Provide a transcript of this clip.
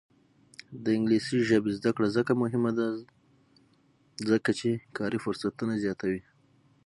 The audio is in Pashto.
د انګلیسي ژبې زده کړه مهمه ده ځکه چې کاري فرصتونه زیاتوي.